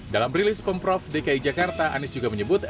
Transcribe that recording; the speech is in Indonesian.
dalam rilis pemprov dki jakarta anies juga menyebut